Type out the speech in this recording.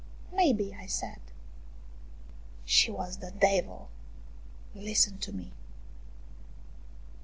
May be," 1 said. " She was the devil, listen to me."